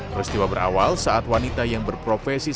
peristiwa berawal saat wanita yang berprofesi